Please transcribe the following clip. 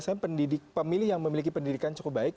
saya pemilih yang memiliki pendidikan cukup baik